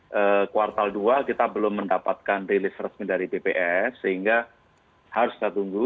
di kuartal dua kita belum mendapatkan rilis resmi dari bps sehingga harus kita tunggu